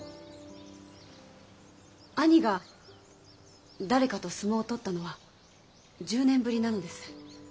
兄が誰かと相撲を取ったのは１０年ぶりなのです。